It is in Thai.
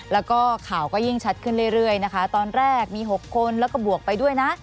แล้วก็ข่าวก็ยิ่งชัดขึ้นเรื่อยนะคะตอนแรกมี๖คนแล้วก็บวกไปด้วยนะ